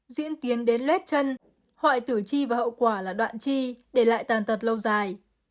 diễn tiến đến lét chân hoại tử chi và hậu quả là đoạn chi để lại tàn tật lâu dài